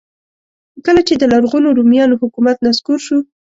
کله چې د لرغونو رومیانو حکومت نسکور شو.